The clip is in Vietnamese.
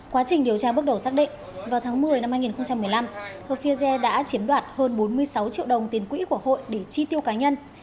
quá trình điều tra bước đầu xác định vào tháng một mươi năm hai nghìn một mươi năm hợp phiager đã chiếm đoạt hơn bốn mươi sáu triệu đồng tiền quỹ của hội để chi tiêu cá nhân